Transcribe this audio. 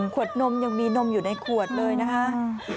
ขวดนมยังมีนมอยู่ในขวดเลยนะคะ